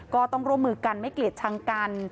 ก็ต้องร่วมมือกันไม่เกลียดชังกัน